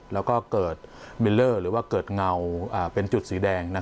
แล้วก็เกิดบิลเลอร์หรือว่าเกิดเงาเป็นจุดสีแดง